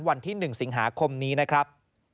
วันที่๑สิงหาคมนี้นะครับ